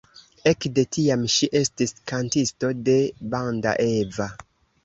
Ekde tiam ŝi estis kantisto de Banda Eva.